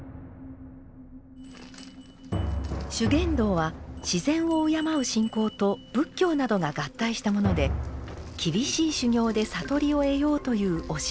修験道は自然を敬う信仰と仏教などが合体したもので厳しい修行で悟りを得ようという教えです。